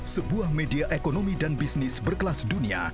sebuah media ekonomi dan bisnis berkelas dunia